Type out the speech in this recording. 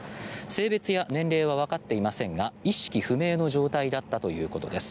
性別や年齢はわかっていませんが意識不明の状態だったということです。